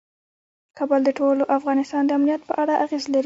کابل د ټول افغانستان د امنیت په اړه اغېز لري.